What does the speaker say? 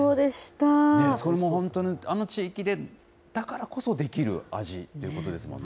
本当にあの地域でだからこそできる味ということですもんね。